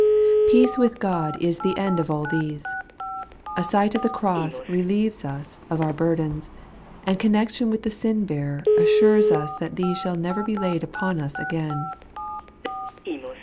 Peace with God is the end of all these. A sight of the cross relieves us of our burdens, and connection with the Sin bearer assures us that these shaU never be laid on us again.